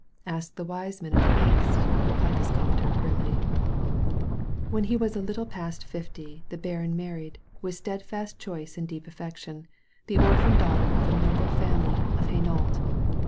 "Ask the wise men of the East," replied the sculptor grimly. When he was a little past fifty the baron mar ried, with steadfast choice and deep affection, the orphan daughter of a noble family of Hainault.